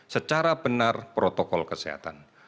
secara benar protokol kesehatan